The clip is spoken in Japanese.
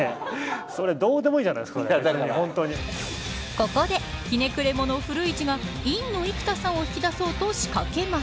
ここで、ひねくれ者、古市が陰の生田さんを引き出そうと仕掛けます。